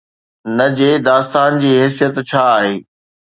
نه جي داستان جي حيثيت ڇا آهي؟